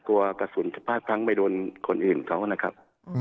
กลัวกระสุนจะพลาดพลั้งไปโดนคนอื่นเขานะครับ